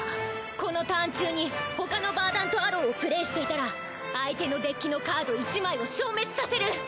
このターン中に他のヴァーダントアローをプレイしていたら相手のデッキのカード１枚を消滅させる！